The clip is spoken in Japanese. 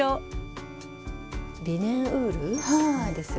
リネンウールなんですよね。